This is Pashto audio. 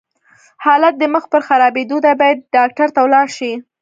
حالت دې مخ پر خرابيدو دی، بايد ډاکټر ته ولاړ شې!